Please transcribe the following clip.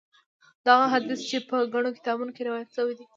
دغه حدیث چې په ګڼو کتابونو کې روایت شوی دی.